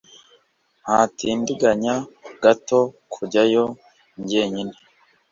Ndatindiganya gato kujyayo njyenyine.